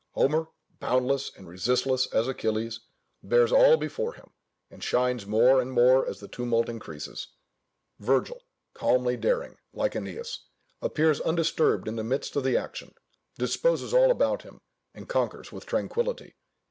Homer, boundless and resistless as Achilles, bears all before him, and shines more and more as the tumult increases; Virgil, calmly daring, like Æneas, appears undisturbed in the midst of the action; disposes all about him, and conquers with tranquillity.